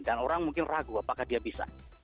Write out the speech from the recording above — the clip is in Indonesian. dan orang mungkin ragu apakah dia bisa